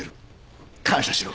感謝しろ。